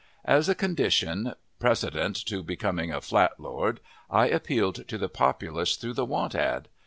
As a condition precedent to becoming a flatlord, I appealed to the populace through the want ad.